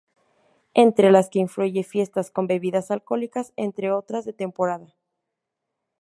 Entre las que incluye fiestas con bebidas alcohólicas entre otras de temporada.